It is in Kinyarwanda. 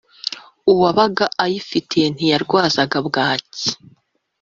uwabaga ayifite ntiyarwazaga bwaki